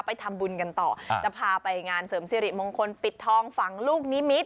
ไปทำบุญกันต่อจะพาไปงานเสริมสิริมงคลปิดทองฝังลูกนิมิตร